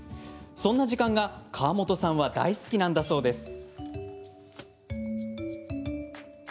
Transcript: そんな時間が川本さんは大好きなんだそうです。